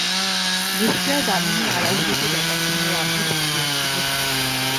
নিশ্চয় দামিনী আড়াল হইতে ব্যাপারখানার আভাস পাইয়াছিল।